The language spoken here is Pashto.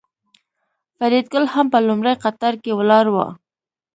فریدګل هم په لومړي قطار کې ولاړ و